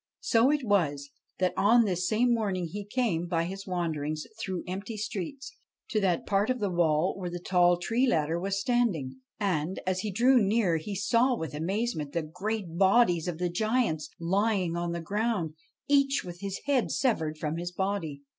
So it was that on this same morning he came, by his wanderings through empty streets, to the part of the wall where the tall tree ladder was standing ; and, as he drew near, he saw with amazement the great bodies of the giants lying on the ground, each with his head severed from his body.